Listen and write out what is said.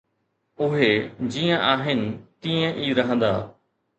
”اهي جيئن آهن تيئن ئي رهندا.